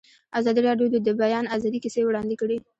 ازادي راډیو د د بیان آزادي کیسې وړاندې کړي.